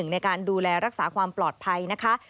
ในการดูแลรักษาความปลอดภัยนะคะ